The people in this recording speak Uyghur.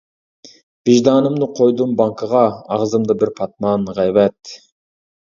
ۋىجدانىمنى قويدۇم بانكىغا، ئاغزىمدا بىر پاتمان غەيۋەت.